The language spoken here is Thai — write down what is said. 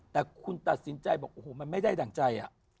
แต่คุณตัดสินใจบอกโอ้โหมันไม่ได้ดั่งใจ